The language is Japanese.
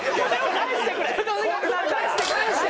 返して返して！